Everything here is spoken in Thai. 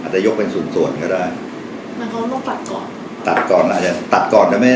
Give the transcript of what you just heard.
สิ่งหน่อยสมบัติในตอนนี้